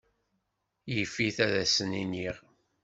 Yif-it ad asen-iniɣ.